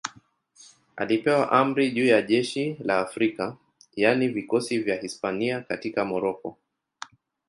Alipewa amri juu ya jeshi la Afrika, yaani vikosi vya Hispania katika Moroko.